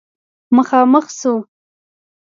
مخامخ شوه